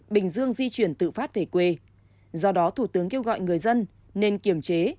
bình dương di chuyển tự phát về quê do đó thủ tướng kêu gọi người dân nên kiểm chế